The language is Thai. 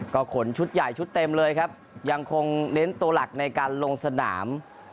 ก็ขนชุดใหญ่ชุดเต็มเลยครับยังคงเน้นตัวหลักในการลงสนาม